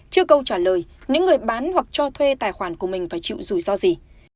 trước câu trả lời những người bán hoặc cho thuê tài khoản của mình phải chịu rủi ro gì